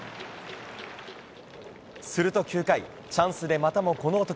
すると９回チャンスで、またもこの男。